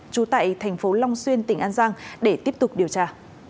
trú tại thành phố long xuyên tỉnh an giang để tiếp tục điều tra